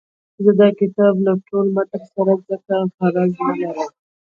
زه د کتاب له ټول متن سره ځکه غرض نه لرم.